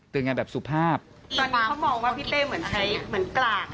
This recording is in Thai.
งานแบบสุภาพตอนนี้เขามองว่าพี่เป้เหมือนใช้เหมือนกลาง